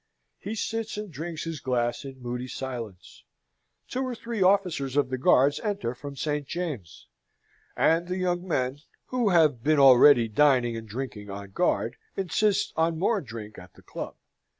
He sits and drinks his glass in moody silence. Two or three officers of the Guards enter from St. James's. He knew them in former days, and the young men, who have been already dining and drinking on guard, insist on more drink at the club.